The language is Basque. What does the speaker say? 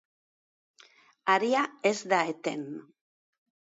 Haria ez da eten.